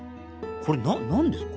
これ何ですか？